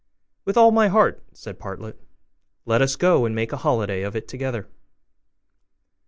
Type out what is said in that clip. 'With all my heart,' said Partlet, 'let us go and make a holiday of it together.